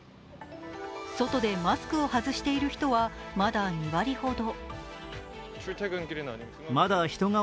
外でマスクを外している人は、まだ２割ほど。